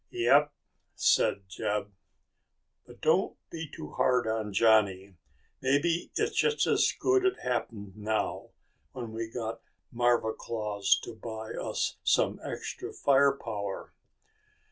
"Yep," said Jeb. "But don't be too hard on Johnny. Maybe it's just as good it happened now when we got marva claws to buy us some extra fire power."